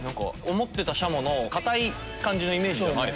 思ってたしゃもの硬い感じのイメージじゃない。